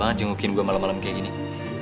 nggak lo mau ketok ketok